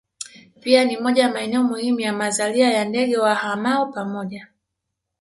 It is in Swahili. Pia ni moja ya maeneo muhimu ya mazalia ya ndege wahamao pamoja